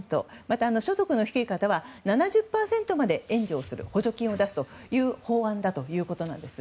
また、所得の低い方は７０％まで援助する補助金を出すという法案ということなんです。